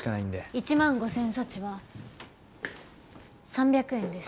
１５０００サチは３００円です。